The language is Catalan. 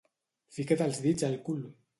Fica't els dits al cul!